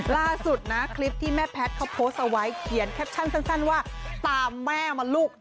ล่าสุดนะคลิปที่แม่แพทย์เขาโพสต์เอาไว้เขียนแคปชั่นสั้นว่าตามแม่มาลูก